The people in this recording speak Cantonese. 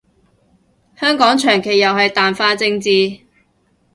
香港長期又係淡化政治